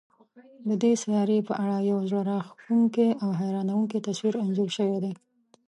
د دې سیارې په اړه یو زړه راښکونکی او حیرانوونکی تصویر انځور شوی دی.